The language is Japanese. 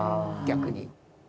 逆に。